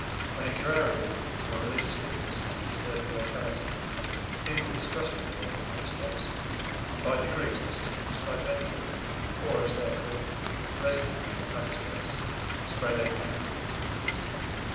When agrarian or religious differences disturbed a locality the people distrusted the local magistrates, and by degrees the system of stipendiary, or, as they are called, resident magistrates, spread over the country.